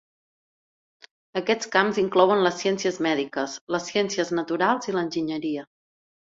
Aquests camps inclouen les ciències mèdiques, les ciències naturals i l'enginyeria.